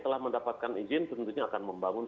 telah mendapatkan izin tentunya akan membangun